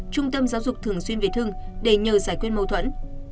trung tâm giáo dục thường xuyên về thương để nhờ giải quyết mâu thuẫn